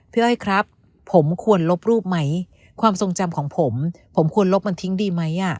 อ้อยครับผมควรลบรูปไหมความทรงจำของผมผมควรลบมันทิ้งดีไหม